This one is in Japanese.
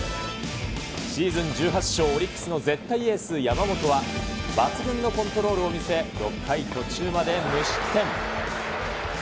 シーズン１８勝、オリックスの絶対エース、山本は、抜群のコントロールを見せ、６回途中まで無失点。